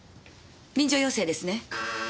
臨場要請ですね。